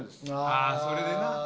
ああそれでな。